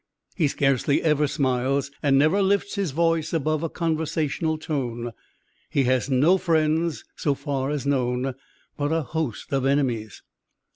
He scarcely ever smiles and never lifts his voice above a conversational tone. He has no friends so far as known, but a host of enemies.